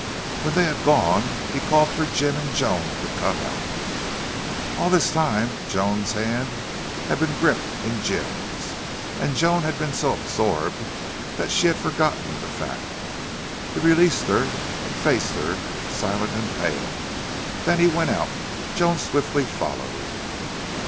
When they had gone he called for Jim and Joan to come out. All this time Joan's hand had been gripped in Jim's, and Joan had been so absorbed that she had forgotten the fact. He released her and faced her, silent, pale. Then he went out. Joan swiftly followed.